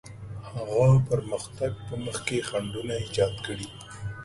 هغه پرمختګ په مخ کې خنډونه ایجاد کړي.